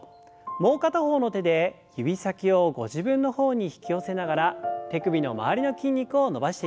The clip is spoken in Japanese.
もう片方の手で指先をご自分の方に引き寄せながら手首の周りの筋肉を伸ばしていきます。